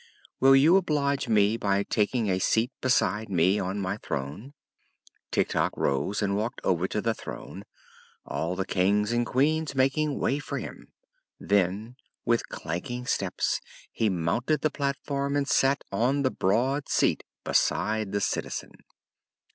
"Will you oblige me by taking a seat beside me on my throne?" Tik Tok rose and walked over to the throne, all the Kings and Queens making way for him. Then with clanking steps he mounted the platform and sat on the broad seat beside the Citizen.